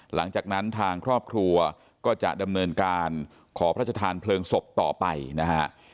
หลังจากนั้นทางครอบครัวก็จะดำเนินการขอพระชธานเพลิงศพต่อไปนะฮะ